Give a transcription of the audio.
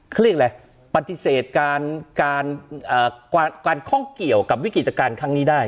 เขาเรียกอะไรปฏิเสธการข้องเกี่ยวกับวิกฤตการณ์ครั้งนี้ได้